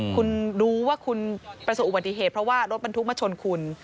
คุณรู้ว่าคุณประสบอุบัติเหตุเพราะว่ารถบรรทุกมาชนคุณ